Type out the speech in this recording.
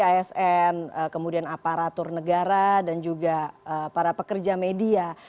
asn kemudian aparatur negara dan juga para pekerja media